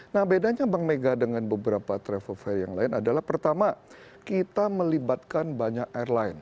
nah bedanya bank mega dengan beberapa travel fair yang lain adalah pertama kita melibatkan banyak airline